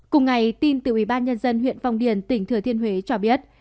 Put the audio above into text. cùng ngày tin từ ubnd huyện phong điền tỉnh thừa thiên huế cho biết